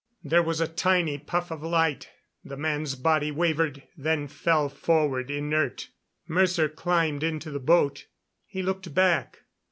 There was a tiny puff of light; the man's body wavered, then fell forward inert. Mercer climbed into the boat. He looked back.